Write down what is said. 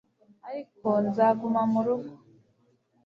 Ariko nzaguma mu rugo